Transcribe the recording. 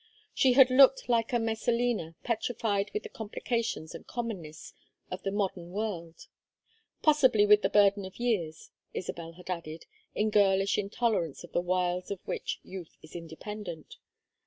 She had looked like a Messalina petrified with the complications and commonness of the modern world; possibly with the burden of years, Isabel had added, in girlish intolerance of the wiles of which youth is independent.